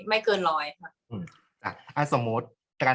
กากตัวทำอะไรบ้างอยู่ตรงนี้คนเดียว